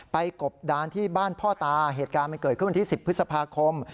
กบดานที่บ้านพ่อตาเหตุการณ์มันเกิดขึ้นวันที่๑๐พฤษภาคม